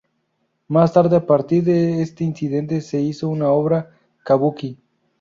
Más tarde, a partir de este incidente se hizo una obra kabuki.